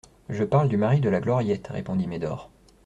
Je parle du mari de la Gloriette, répondit Médor.